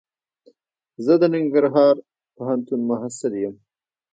زه دننګرهار پوهنتون محصل یم.